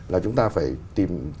là chúng ta phải tìm